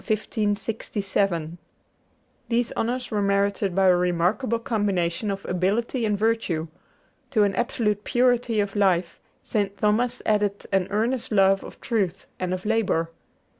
[Illustration: THOMAS AQUINAS] These honors were merited by a remarkable combination of ability and virtue. To an absolute purity of life, St. Thomas added an earnest love of truth and of labor.